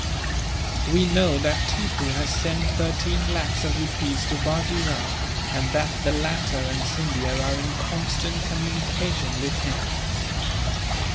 We know that Tippoo has sent thirteen lakhs of rupees to Bajee Rao, and that the latter and Scindia are in constant communication with him.